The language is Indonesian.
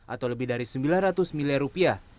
atau lebih dari sembilan ratus miliar rupiah